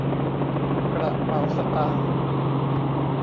กระเป๋าสตางค์